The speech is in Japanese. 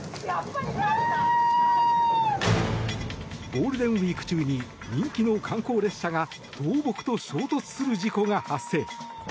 ゴールデンウィーク中に人気の観光列車が倒木と衝突する事故が発生。